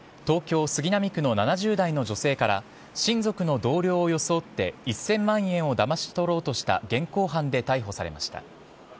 東京・杉並区の７０代の女性から親族の同僚を装って１０００万円をだまし取ろうとした現行犯で逮捕されました。